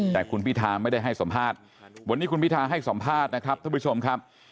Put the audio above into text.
แต่คุณพิธาไม่ได้ให้สัมภาษณ์วันนี้คุณพิทาให้สัมภาษณ์นะครับท่านผู้ชมครับ